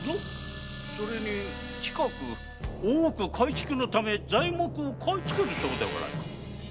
それに近く大奥改築のため材木を買い付けるそうではないか。